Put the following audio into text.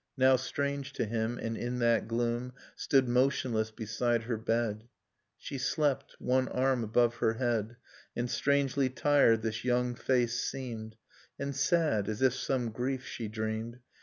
Now strange to him, and in that gloom Stood motionless beside her bed; She slept, one arm above her head; And strangely tired this young face seemed, And sad, as if some grief she dreamed.